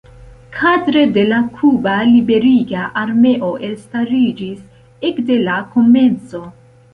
Kadre de la Kuba Liberiga Armeo elstariĝis ekde la komenco.